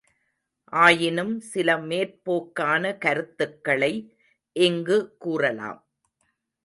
ஆயினும் சில மேற்போக்கான கருத்துக்களை இங்கு கூறலாம்.